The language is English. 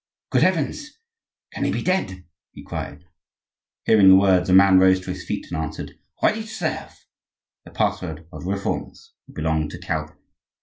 "Good heavens! can he be dead?" he cried. Hearing the words, a man rose to his feet and answered, "Ready to serve!"—the password of the Reformers who belonged to Calvin.